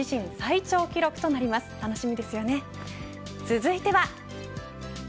続いては。